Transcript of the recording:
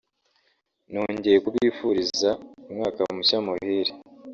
nongeye kubifuriza umwaka mushya muhire